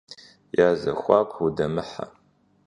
Я зэхуаку удэмыхьэ.